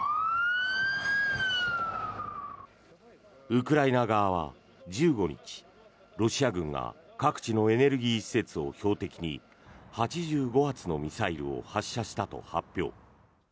ウクライナ側は１５日ロシア軍が各地のエネルギー施設を標的に８５発のミサイルを発射したと発表。